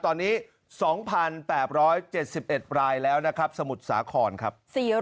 ตอนนี้๒๘๗๑รายแล้วนะครับสมุทรสาครครับ